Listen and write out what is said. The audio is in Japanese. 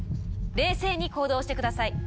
冷静に行動してください。